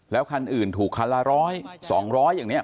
แล้วคันอื่นถูกคันละร้อยสองร้อยอย่างเนี้ย